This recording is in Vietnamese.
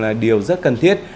là điều rất cần thiết